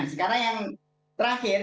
sekarang yang terakhir